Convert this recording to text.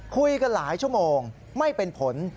คุยกันหลายชั่วโมงไม่เป็นผล